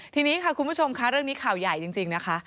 ทีนี้ค่ะคุณผู้ชมค่ะเรื่องนี้ข่าวใหญ่จริงนะคะ